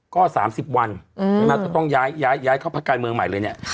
ก็สามสิบวันอืมต้องย้ายย้ายย้ายเข้าภาคกรรมเมืองใหม่เลยเนี่ยค่ะ